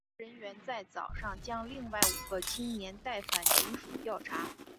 警方人员在早上将另外五个青年带返警署调查。